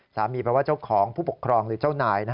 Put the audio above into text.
แปลว่าเจ้าของผู้ปกครองหรือเจ้านาย